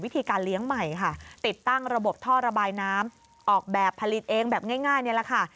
ติดตั้งระบบท่อระบายน้ำออกแบบผลิตเองแบบง่ายนี่แหละค่ะ